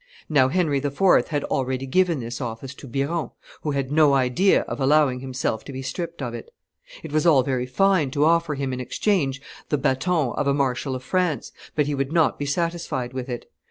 Now Henry IV. had already given this office to Biron, who had no idea of allowing himself to be stripped of it. It was all very fine to offer him in exchange the baton of a marshal of France, but he would not be satisfied with it.